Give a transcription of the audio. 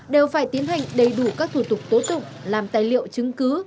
đều phải tiến hành đầy đủ các thủ tục tố tụng làm tài liệu chứng cứ